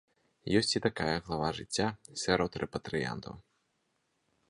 Ёсць і такая глава жыцця сярод рэпатрыянтаў.